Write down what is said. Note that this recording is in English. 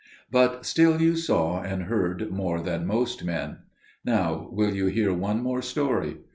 But still you saw and heard more than most men. Now will you hear one more story?